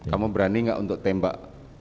kamu berani nggak untuk tembak